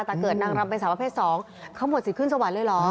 แต่เกิดนางรำเป็นสาวประเภท๒เขาหมดสิทธิ์ขึ้นสวรรค์เลยเหรอ